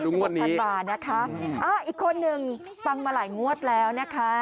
เดี๋ยวรอวันนี้๑๖๐๐๐บาทนะคะอีกคนหนึ่งปังมาหลายงวดแล้วนะคะ